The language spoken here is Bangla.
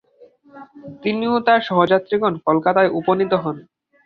তিনি ও তার সহযাত্রীগণ কলকাতায় উপনীত হন।